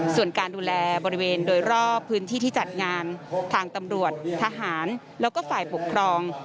ส่วนการดูแลบริเวณโดยรอบพื้นที่ที่จัดงานทางตำรวจทหารแล้วก็ฝ่ายปกครอง